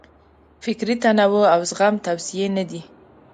فکري تنوع او زغم توصیې نه دي.